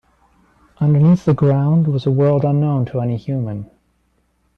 Underneath the ground was a world unknown to any human.